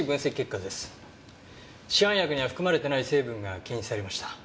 市販薬には含まれていない成分が検出されました。